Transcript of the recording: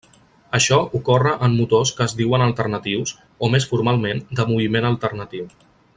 Això ocorre en motors que es diuen alternatius o, més formalment, de moviment alternatiu.